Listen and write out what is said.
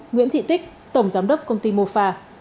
bốn nguyễn thị tích tổng giám đốc công ty mô pha